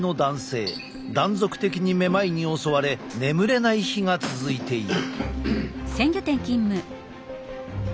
断続的にめまいに襲われ眠れない日が続いている。